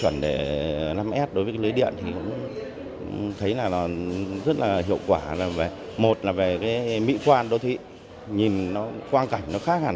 nhiều hiệu quả là một là về mỹ quan đô thị nhìn nó quan cảnh nó khác hẳn